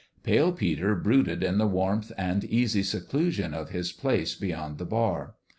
Pale Peter brooded in the warmth and easy seclusion of his place beyond the bar.